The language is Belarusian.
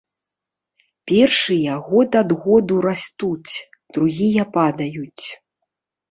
Першыя год ад году растуць, другія падаюць.